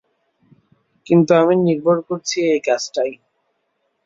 কিন্তু আমি নির্ভর করছি এই কাজটায়।